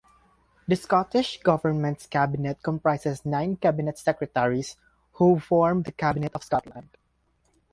The Scottish Government's cabinet comprises nine cabinet secretaries, who form the Cabinet of Scotland.